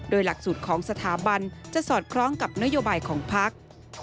โดยหลักสูตรของสถาบันจะสอดคล้องกับนโยบายของพัก